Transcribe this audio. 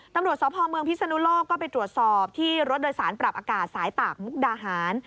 ตำรวจสพเมืองพิศนุโลกก็ไปตรวจสอบที่รถโดยสารปรับอากาศสายตากมุกดาหาร